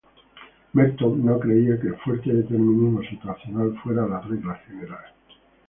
Merton no creía que el fuerte determinismo situacional fuera la regla general.